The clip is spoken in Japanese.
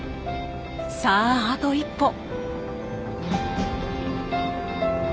さああと一歩！